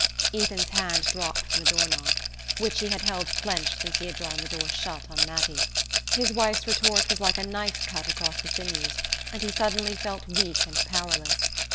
Ethan's hand dropped from the door knob, which he had held clenched since he had drawn the door shut on Mattie. His wife's retort was like a knife cut across the sinews and he felt suddenly weak and powerless.